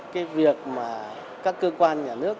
cái việc mà các cơ quan nhà nước